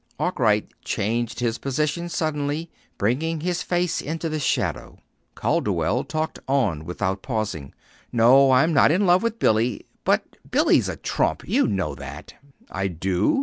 Arkwright changed his position suddenly, bringing his face into the shadow. Calderwell talked on without pausing. "No, I'm not in love with Billy. But Billy's a trump. You know that." "I do."